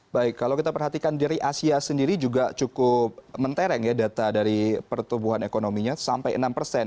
baik kalau kita perhatikan dari asia sendiri juga cukup mentereng ya data dari pertumbuhan ekonominya sampai enam persen